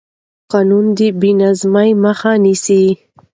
قانون د بې نظمۍ مخه نیسي